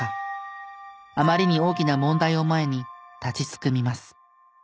あまりに大きな問題を前に立ちすくみます。